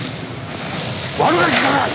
悪ガキじゃない！